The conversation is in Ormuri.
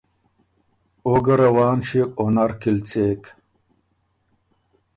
او ګۀ روان ݭیوک او نر کی ل څېک۔